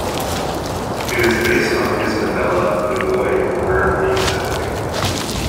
It is based on his novella "The Boy Who Heard Music".